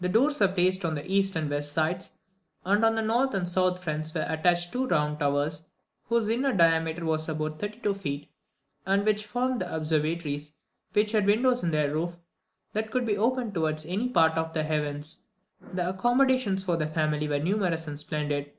The doors were placed on the east and west sides; and to the north and south fronts were attached two round towers, whose inner diameter was about thirty two feet, and which formed the observatories which had windows in their roof, that could be opened towards any part of the heavens. The accommodations for the family were numerous and splendid.